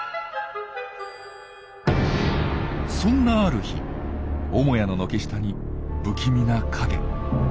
そんなある日母屋の軒下に不気味な影。